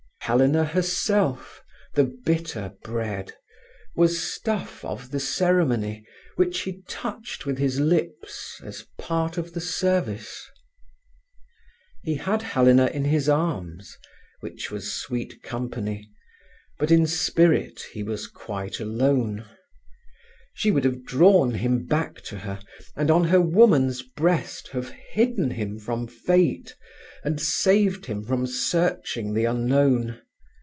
Helena herself, the bitter bread, was stuff of the ceremony, which he touched with his lips as part of the service. He had Helena in his arms, which was sweet company, but in spirit he was quite alone. She would have drawn him back to her, and on her woman's breast have hidden him from Fate, and saved him from searching the unknown.